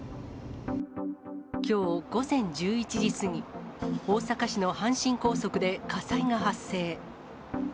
きょう午前１１時過ぎ、大阪市の阪神高速で火災が発生。